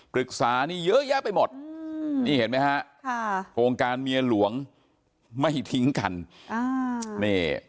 ปรึกษานี่เยอะแยะไปหมดนี่เห็นไหมฮะค่ะโครงการเมียหลวงไม่ทิ้งกันอ่านี่